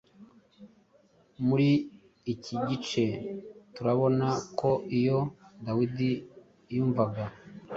Muri iki gice turabona ko iyo Dawidi yumvaga